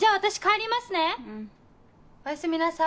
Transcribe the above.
おやすみなさい。